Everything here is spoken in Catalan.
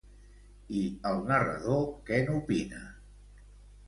I el narrador, què n'opina?